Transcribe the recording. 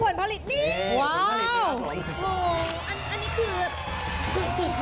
ข้อส่องคืออะไรคะ